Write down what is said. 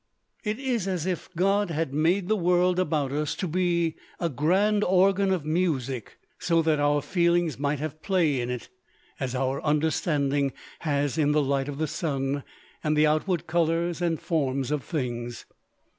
It is as if God had made the world about us to be a grand organ of music, so that our feelings might have play in it, as our understanding has in the light of the sun and the outward colors and forms of things.